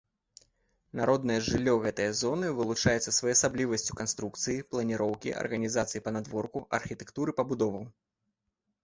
Народнае жыллё гэтай зоны вылучаецца своеасаблівасцю канструкцыі, планіроўкі, арганізацыі панадворку, архітэктуры пабудоў.